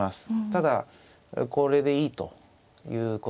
ただこれでいいということでしょう。